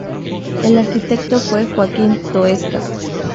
El Arquitecto fue Joaquín Toesca.